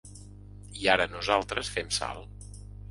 I ara nosaltres fem sal.